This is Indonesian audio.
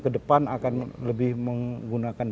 ke depan akan lebih menggunakan